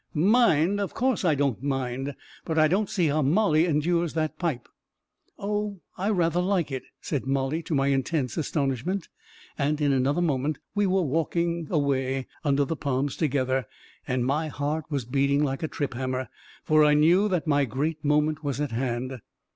11 Mind ! Of course I don't mind 1 But I don't see how Mollie endures that pipe !"" Oh, I rather like it !" said Mollie, to my intense astonishment ; and in another moment we were walk ing away under the palms together, and my heart was beating like a trip hammer, for I knew that my great moment was at hand.